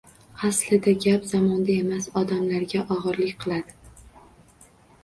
Aslida gap zamonga emas, odamlarga og‘irlik qiladi.